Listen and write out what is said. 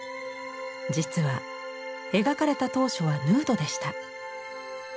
実は描かれた当初はヌードでした。